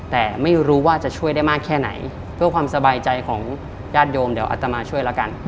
แต่ไม่รู้ว่าจะช่วยได้มากแค่ไหนเพื่อความสบายใจของญาติโยมเดี๋ยวอัตมาช่วยแล้วกัน